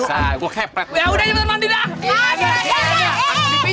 enggak mau jadi gembel